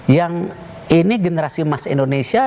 yang ini generasi emas indonesia